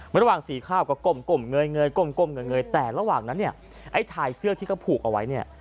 มันระหว่างสีข้าวก็กลมเงยแต่ระหว่างนั้นไอ้ชายเสื้อที่เขาผูกเอาไว้